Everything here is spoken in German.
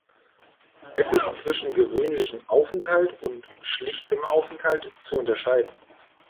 Es ist zwischen "gewöhnlichem Aufenthalt" und "schlichtem Aufenthalt" zu unterscheiden.